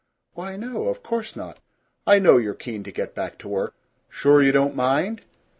"Why, no. Of course not. I know you're keen to get back to work." "Sure you don't mind?"